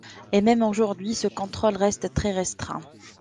Et même aujourd'hui, ce contrôle reste très restreint.